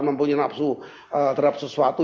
mempunyai nafsu terhadap sesuatu